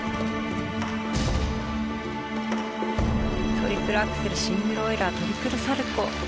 トリプルアクセルシングルオイラートリプルサルコウ。